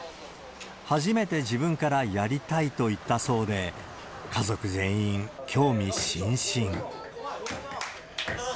初めて自分からやりたいと言ったそうで、家族全員、興味津々。